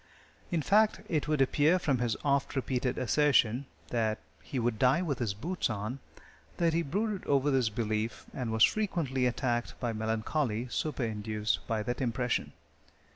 In fact, it would appear from his oft repeated assertion, that "he would die with his boots on," that he brooded over this belief and was frequently attacked by melancholy superinduced by that impression.